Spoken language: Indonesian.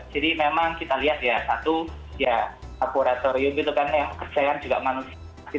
jadi memang kita lihat ya satu ya laboratorium itu kan yang kerjaan juga manusia